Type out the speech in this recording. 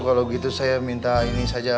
kalau gitu saya minta ini saja